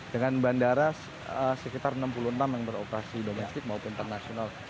dengan bandara sekitar enam puluh enam yang beroperasi domestik maupun internasional